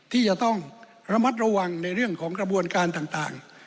ที่จะต้องระมัดระวังในเรื่องของกระบวนการต่าง